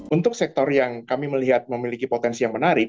untuk sektor yang kami melihat memiliki potensi yang menarik